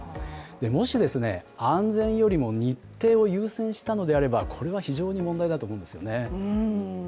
もし安全よりも日程を優先したのであればこれは非常に問題だと思うんですよね。